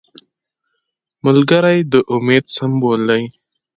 ملګری د امید سمبول دی